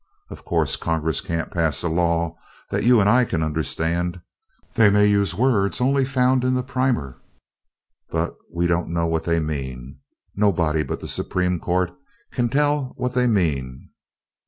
Of course Congress can't pass a law that you and I can understand. They may use words that are only found in the primer, but we don't know what they mean. Nobody but the Supreme Court can tell what they mean.